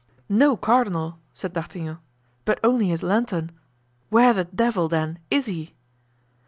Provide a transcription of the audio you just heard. "No cardinal!" said D'Artagnan, "but only his lantern; where the devil, then, is he?"